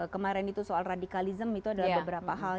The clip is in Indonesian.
kemarin itu soal radikalisme itu adalah beberapa hal